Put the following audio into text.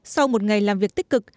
sau một ngày làm việc tích cực